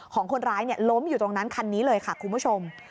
ของคนร้ายล้มอยู่ตรงนั้นคันนี้เลยค่ะคุณผู้ชม